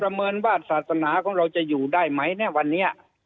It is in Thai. เมินว่าศาสนาของเราจะอยู่ได้ไหมในวันนี้